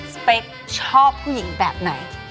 สเปคชอบผู้หญิงแบบไหน